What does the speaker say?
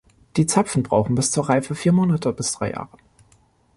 Die Zapfen brauchen bis zur Reife vier Monate bis drei Jahre.